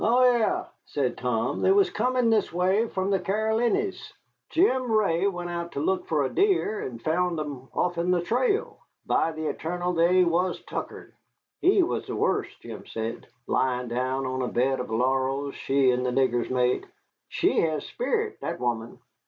"Oh, ay," said Tom; "they was comin' this way, from the Carolinys. Jim Ray went out to look for a deer, and found 'em off 'n the trail. By the etarnal, they was tuckered. He was the wust, Jim said, lyin' down on a bed of laurels she and the niggers made. She has sperrit, that woman.